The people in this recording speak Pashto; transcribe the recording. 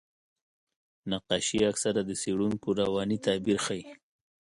نقاشي اکثره د څېړونکو رواني تعبیر ښيي.